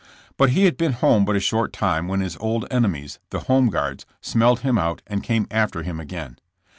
But he had been home but a short time when his old enemies, the Home Guards, smelled him out and came after him again.